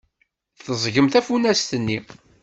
Teẓẓgem tafunast-nni.